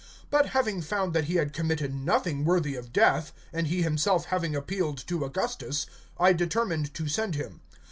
(25)But having found that he had committed nothing worthy of death, and he himself having appealed to Augustus, I determined to send him.